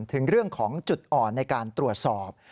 ถึงเรื่องของจุดอ่อนในการตรวจสอบ